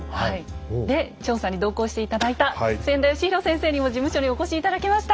で調査に同行して頂いた千田嘉博先生にも事務所にお越し頂きました。